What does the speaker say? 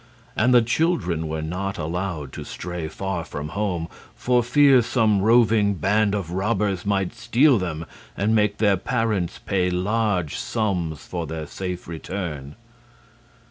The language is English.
And the children were not allowed to stray far from home for fear some roving band of robbers might steal them and make their parents pay large sums for their safe return.